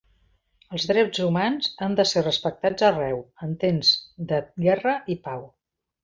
Els drets humans han de ser respectats arreu, en temps de guerra i pau.